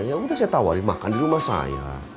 ya udah saya tawari makan di rumah saya